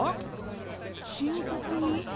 深刻に？